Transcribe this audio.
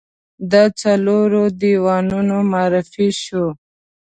د څلورو دیوانونو معرفي شوه.